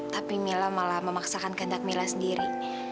tapi mila malah memaksakan kehendak mila sendiri